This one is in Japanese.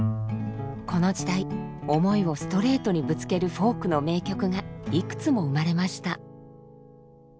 この時代思いをストレートにぶつけるフォークの名曲がいくつも生まれました。